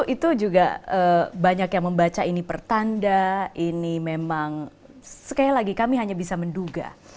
itu juga banyak yang membaca ini pertanda ini memang sekali lagi kami hanya bisa menduga